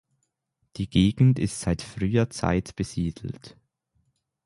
Die Gegend ist seit früher Zeit besiedelt.